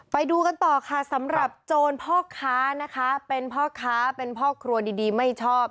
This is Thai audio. ไปดูกันต่อค่ะสำหรับโจรพ่อค้านะคะเป็นพ่อค้าเป็นพ่อครัวดีไม่ชอบ